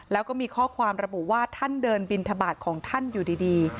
แล้วก็มีข้อความระบุว่าท่านเดินบินทบาทของท่านอยู่ดี